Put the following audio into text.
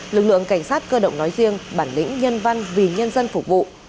lực lượng cảnh sát cơ động nói riêng bản lĩnh nhân văn vì nhân dân phục vụ